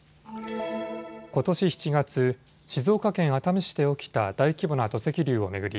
ことし７月、静岡県熱海市で起きた大規模な土石流を巡り